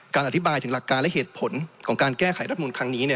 อธิบายถึงหลักการและเหตุผลของการแก้ไขรัฐมูลครั้งนี้